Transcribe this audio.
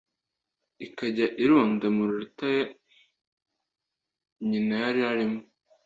ikajya irunda mu rutare nyina yari arimo